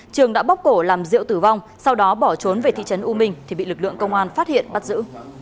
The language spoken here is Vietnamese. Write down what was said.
trường đã bóc cổ làm diệu tử vong sau đó bỏ trốn về thị trấn u minh thì bị lực lượng công an phát hiện bắt giữ